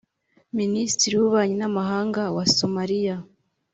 Minisitiri w’Ububanyi n’Amahanga wa Somaliya